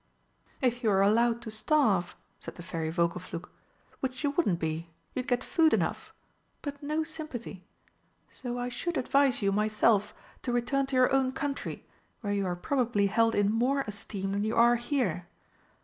"If you were allowed to starve," said the Fairy Vogelflug "which you wouldn't be, you'd get food enough but no sympathy. So I should advise you myself to return to your own Country, where you are probably held in more esteem than you are here.